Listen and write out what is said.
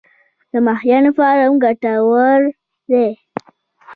د ماهیانو فارم ګټور دی؟